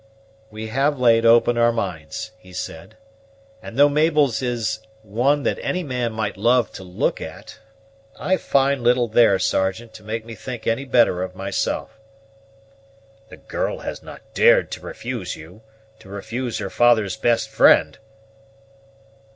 "We have laid open our minds," he said; "and though Mabel's is one that any man might love to look at, I find little there, Sergeant, to make me think any better of myself." "The girl has not dared to refuse you to refuse her father's best friend?"